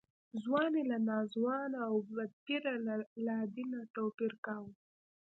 ځوان یې له ناځوانه او بدپیره له لادینه توپیر کاوه.